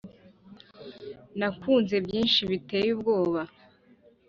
nakunze byinshi biteye ubwoba;